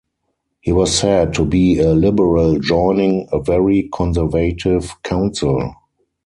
He was said to be a liberal joining a very conservative council.